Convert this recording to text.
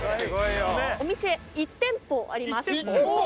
お店１店舗あります。